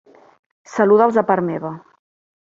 Saluda'ls de part meva.